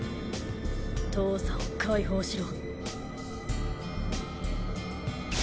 父さんを解放しろ。